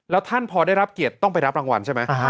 แล้วท่านพอได้รับเกียรติต้องไปรับรางวัลใช่ไหม